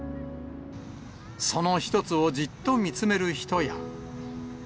その一つをじっと見つめる人や。